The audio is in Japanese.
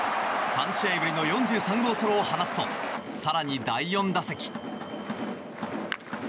３試合ぶりの４３号ソロを放つと更に第４打席。